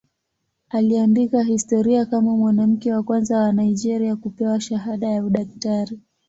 Aliandika historia kama mwanamke wa kwanza wa Nigeria kupewa shahada ya udaktari.